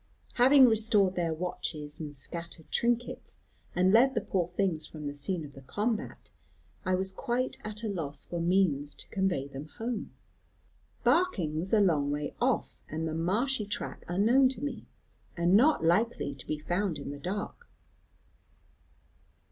"Having restored their watches, and scattered trinkets, and led the poor things from the scene of the combat, I was quite at a loss for means to convey them home. Barking was a long way off, and the marshy track unknown to me, and not likely to be found in the dark.